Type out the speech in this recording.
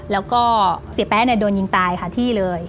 แล้วก็เสียแป๊ะโดนยิงตายค่ะที่เลย